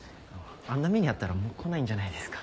あんな目に遭ったらもう来ないんじゃないですか。